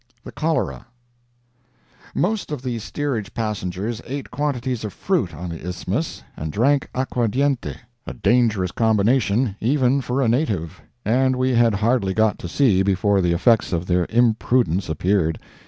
THE CHOLERA Most of the steerage passengers ate quantities of fruit on the Isthmus and drank aguadiente—a dangerous combination, even for a native—and we had hardly got to sea before the effects of their imprudence appeared.